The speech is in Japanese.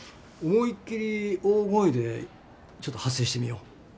思いっ切り大声でちょっと発声してみよう。